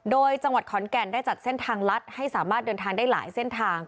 โดยจังหวัดขอนแก่นได้จัดเส้นทางลัดให้สามารถเดินทางได้หลายเส้นทาง